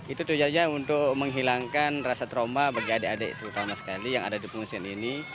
itu tujuannya untuk menghilangkan rasa trauma bagi adik adik terutama sekali yang ada di pengungsian ini